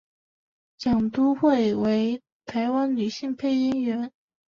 蒋笃慧为台湾女性配音员。